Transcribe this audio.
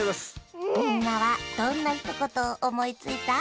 みんなはどんなひとことをおもいついた？